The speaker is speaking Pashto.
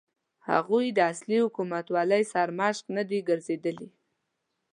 هغوی د اصلي حکومتولۍ سرمشق نه دي ګرځېدلي.